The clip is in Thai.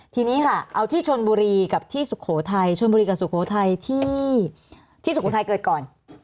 ทีนี้ค่ะเอาที่ชนบุรีกับที่สุโขทัยชนบุรีกับสุโขทัยที่สุโขทัยเกิดก่อน